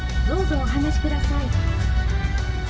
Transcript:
どうぞ、お話しください。